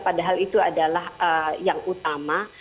padahal itu adalah yang utama